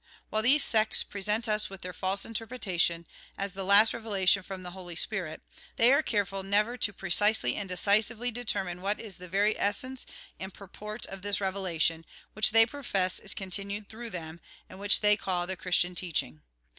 While these sects pre sent us with their false interpretations, as the last revelation from the Holy Spirit, they are careful never to precisely and decisively determine what is the very essence and purport of this revelation, which they profess is continued through them, and which they call " the Christian teaching."